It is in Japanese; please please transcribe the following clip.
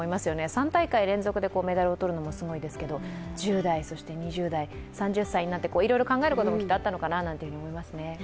３大会連続でメダルを取るのもすごいですけど１０代、そして２０代、３０歳になっていろいろ考えることも、きっとあったのかなと思いますね。